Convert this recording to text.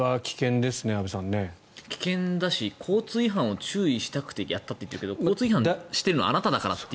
危険だし交通違反を注意したくてやったって言ってるけど交通違反しているのはあなただからって。